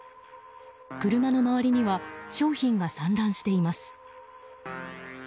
車の周りには商品が散乱しています。